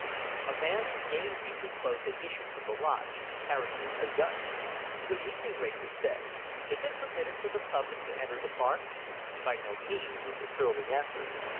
A man in gamekeeper's clothes had issued from the lodge, carrying a gun. "Good evening!" Wrayson said. "Is it permitted for the public to enter the park?" "By no means," was the surly answer.